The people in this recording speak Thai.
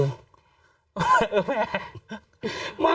เออแม่